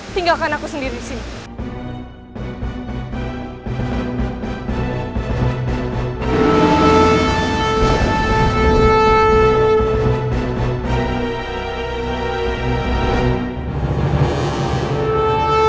tinggalkan aku sendiri disini